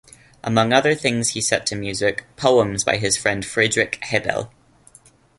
Among other things he set to music poems by his friend Friedrich Hebbel.